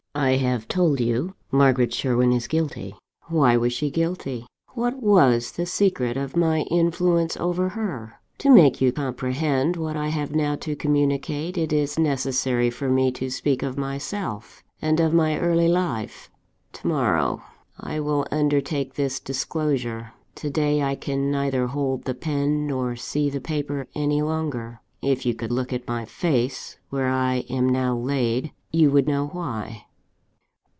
"I have told you Margaret Sherwin is guilty. Why was she guilty? What was the secret of my influence over her? "To make you comprehend what I have now to communicate, it is necessary for me to speak of myself; and of my early life. To morrow, I will undertake this disclosure to day, I can neither hold the pen, nor see the paper any longer. If you could look at my face, where I am now laid, you would know why!"